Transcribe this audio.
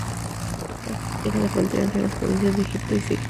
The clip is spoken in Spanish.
Rafah era la frontera entre las provincias de Egipto y Siria.